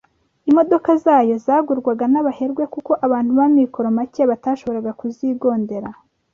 Imodoka zayo zagurwaga n’abaherwe kuko abantu b’amikoro make batashoboraga kuzigondera